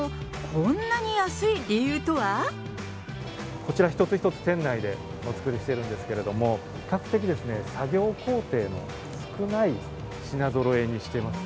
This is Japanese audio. それでも、こちら一つ一つ、店内でお作りしているんですけれども、比較的作業工程の少ない品ぞろえにしてます。